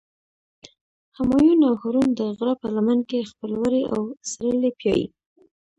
همایون او هارون د غره په لمن کې خپل وري او سرلي پیایی.